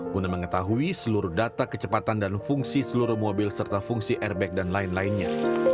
guna mengetahui seluruh data kecepatan dan fungsi seluruh mobil serta fungsi airbag dan lain lainnya